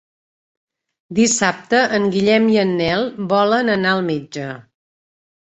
Dissabte en Guillem i en Nel volen anar al metge.